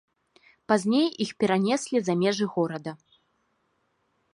Пазней іх перанеслі за межы горада.